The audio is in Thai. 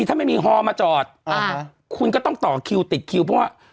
ถ้าไม่มีฮอลมาจอดคุณก็ต้องต่อคิวติดคิวเพราะว่า